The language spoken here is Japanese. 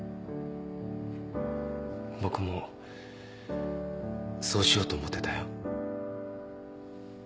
僕もそうしようと思ってたよ